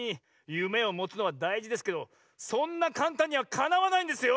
夢をもつのはだいじですけどそんなかんたんにはかなわないんですよ！